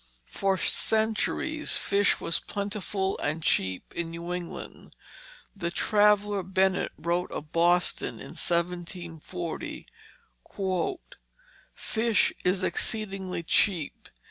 For centuries, fish was plentiful and cheap in New England. The traveller Bennet wrote of Boston, in 1740: "Fish is exceedingly cheap.